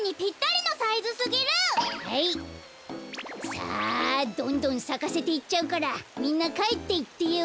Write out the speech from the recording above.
さあどんどんさかせていっちゃうからみんなかえっていってよ。